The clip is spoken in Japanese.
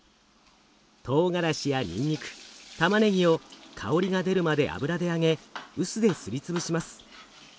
トウガラシやにんにくたまねぎを香りが出るまで油で揚げ臼ですり潰します。